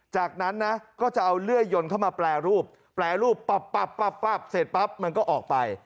จากนั้นนะก็จะเอาเลื่อยยนต์เข้ามาแปรรูปแปรรูปปับเสร็จปั๊บมันก็ออกไป